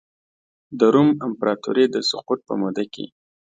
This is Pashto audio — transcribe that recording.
د روم امپراتورۍ د سقوط په موده کې.